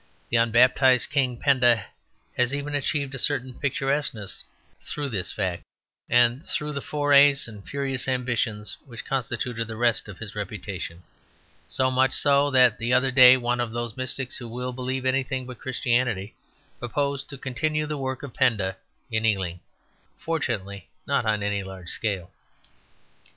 The unbaptized king, Penda, has even achieved a certain picturesqueness through this fact, and through the forays and furious ambitions which constituted the rest of his reputation; so much so that the other day one of those mystics who will believe anything but Christianity proposed to "continue the work of Penda" in Ealing: fortunately not on any large scale.